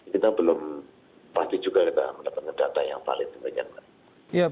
kita belum pasti juga kita mendapatkan data yang paling